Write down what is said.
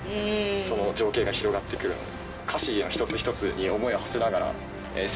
その情景が広がってくるので。